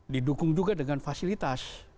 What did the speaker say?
didukung juga dengan fasilitas